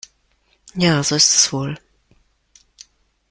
Ja, so ist es wohl.